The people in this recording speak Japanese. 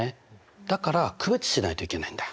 だから区別しないといけないんだ。